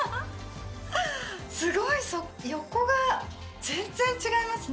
すごい横が全然違いますね